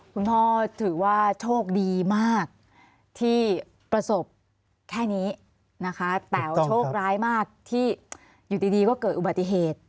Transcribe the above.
คุณพ่อถือว่าโชคดีมากที่ประสบแค่นี้นะคะแต่ว่าโชคร้ายมากที่อยู่ดีก็เกิดอุบัติเหตุ